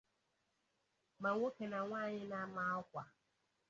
Ma nwoke na nwaanyị na-ama akwa.